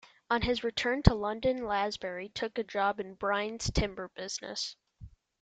On his return to London, Lansbury took a job in Brine's timber business.